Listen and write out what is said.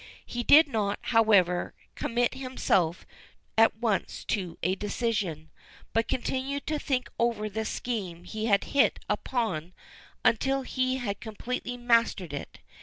He did not, however, commit himself at once to a decision, but continued to think over the scheme he had hit upon until he had completely mastered it.